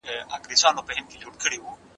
دا انار تر نورو مېوو ډېر انټي اوکسیډنټ مواد لري.